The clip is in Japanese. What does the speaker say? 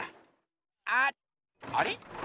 あっあれ？